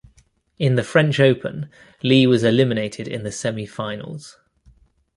In the French Open Lee was eliminated in the semi-finals.